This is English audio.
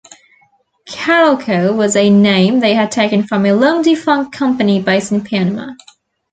"Carolco" was a name they had taken from a long-defunct company based in Panama.